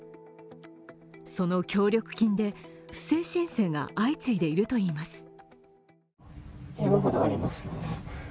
その協力金で不正申請が相次いでいるといいます。